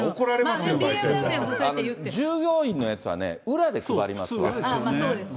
従業員のやつは裏で配りますよ。